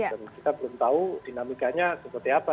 dan kita belum tahu dinamikanya seperti apa